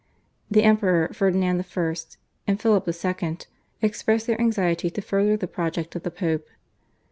The Emperor Ferdinand I. and Philip II. expressed their anxiety to further the project of the Pope.